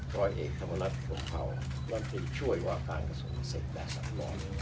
๖ปล่อยเอกธรรมนัฏลงเผ่ารันทรีย์ช่วยว่าการกระทรวงภัณฑ์เสร็จและสำรวจ